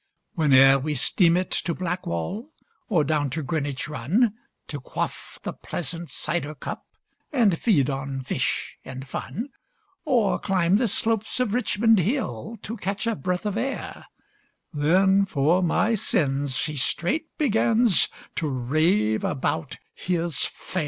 Whene'er we steam it to Blackwall, Or down to Greenwich run, To quaff the pleasant cider cup, And feed on fish and fun; Or climb the slopes of Richmond Hill, To catch a breath of air: Then, for my sins, he straight begins To rave about his fair.